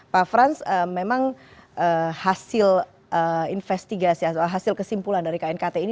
pak frans memang hasil investigasi atau hasil kesimpulan dari knkt ini